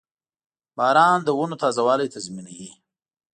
• باران د ونو تازهوالی تضمینوي.